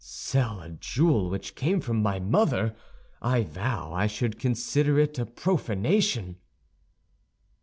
"Sell a jewel which came from my mother! I vow I should consider it a profanation."